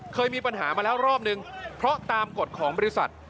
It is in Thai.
เคยมีปัญหามาแล้วรอบนึงเพราะตามกฎของบริษัท